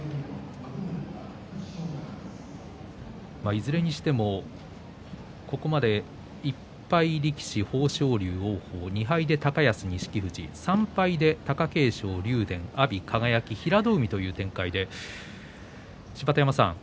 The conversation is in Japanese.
いずれにしてもここまで１敗力士、豊昇龍、王鵬２敗で高安、錦富士３敗で貴景勝、竜電、阿炎、輝平戸海という展開で芝田山さん